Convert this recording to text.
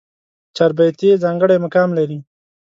چاربېتې ځانګړی مقام لري.